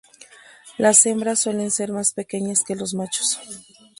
Las hembras suelen ser más pequeñas que los machos.